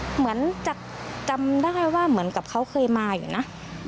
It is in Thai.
เหมือนจะจำได้ว่าเหมือนกับเขาเคยมาอยู่นะ